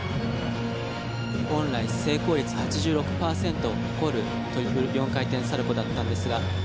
本来、成功率８６％を誇る４回転サルコウだったんですが。